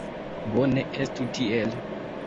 Bone, estu tiel.